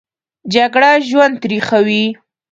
جګړه ژوند تریخوي